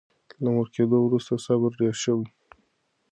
له مور کېدو وروسته صبر ډېر شوی.